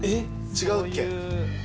違うっけ？